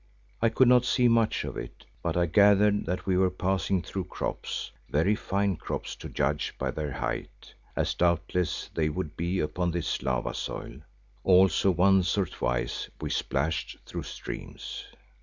I could not see much of it, but I gathered that we were passing through crops, very fine crops to judge by their height, as doubtless they would be upon this lava soil; also once or twice we splashed through streams.